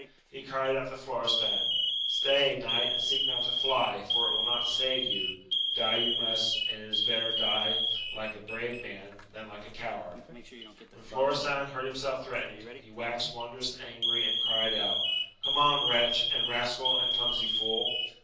He cried out to Florestan, Stay, knight, and seek not to fly, for it will not save you : die you must, and it is better die like a brave man, than like a coward I When Florestan heard himself threatened, he waxed won drous angry, and cried out, come on, wretch and rascal, and clumsy fool